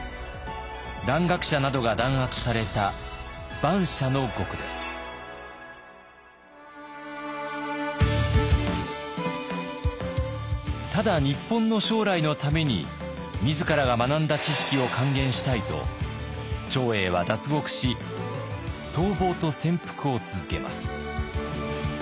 蘭学者などが弾圧されたただ日本の将来のために自らが学んだ知識を還元したいと長英は脱獄し逃亡と潜伏を続けます。